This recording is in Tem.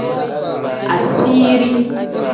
Asiiri.